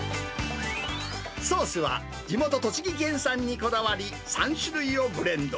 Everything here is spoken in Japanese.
ソースは、地元栃木県産にこだわり、３種類をブレンド。